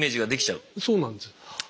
そうなんです。